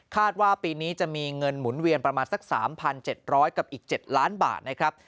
ว่าปีนี้จะมีเงินหมุนเวียนประมาณสัก๓๗๐๐กับอีก๗ล้านบาทนะครับ